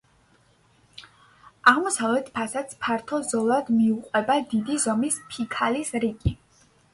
აღმოსავლეთ ფასადს ფართო ზოლად მიუყვება დიდი ზომის ფიქალის რიგი.